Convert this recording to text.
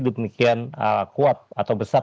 demikian kuat atau besar